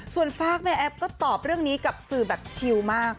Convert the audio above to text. ส่วนฝากแม่แอฟก็ตอบเรื่องนี้กับสื่อแบบชิลมาก